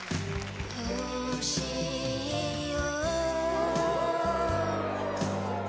欲しいよ・